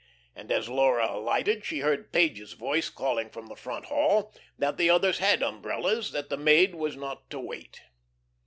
And as Laura alighted, she heard Page's voice calling from the front hall that the others had umbrellas, that the maid was not to wait.